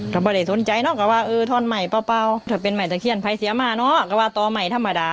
เขาก็ไม่ได้สนใจเนอะก็ว่าท้อนใหม่เป้าเท่าที่มีภัยเสียมานะเพื่อนก็ว่าตอนใหม่ธรรมดา